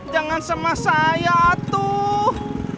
jangan semah saya tuh